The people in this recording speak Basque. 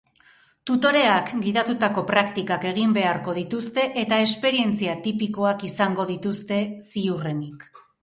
Tutoreak gidatutako praktikak egin beharko dituzte eta esperientzia tipikoak izango dituzte, ziurrenik.